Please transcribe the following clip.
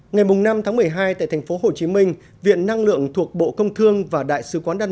ngày năm tháng một mươi hai tại thành phố hồ chí minh viện năng lượng thuộc bộ công thương và đại sứ quán đan